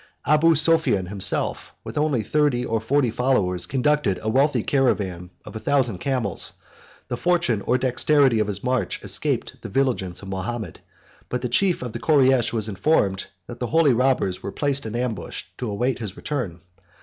Abu Sophian himself, with only thirty or forty followers, conducted a wealthy caravan of a thousand camels; the fortune or dexterity of his march escaped the vigilance of Mahomet; but the chief of the Koreish was informed that the holy robbers were placed in ambush to await his return.